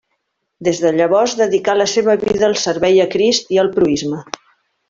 Des de llavors dedicà la seva vida al servei a Crist i al proïsme.